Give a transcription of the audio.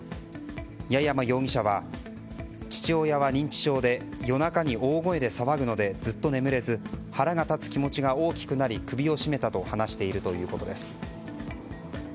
屋山容疑者は父親は認知症で夜中に大声で騒ぐのでずっと眠れず腹が立つ気持ちが大きくなり首を絞めたと話しているということです。